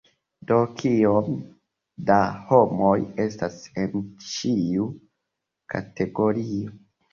Do kiom da homoj estas en ĉiu kategorio?